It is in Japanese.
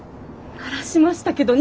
鳴らしましたけど？